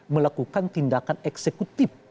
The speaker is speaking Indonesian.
melakukan tindakan eksekutif